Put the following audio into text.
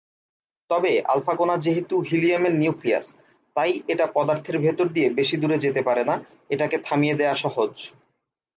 তবে আলফা কণা যেহেতু হিলিয়ামের নিউক্লিয়াস, তাই এটা পদার্থের ভেতর দিয়ে বেশি দূর যেতে পারে না-এটাকে থামিয়ে দেয়া সহজ।